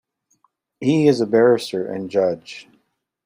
He is a barrister and judge.